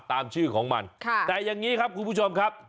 ตามชื่อของมันแต่อย่างนี้ครับคุณผู้ชมครับ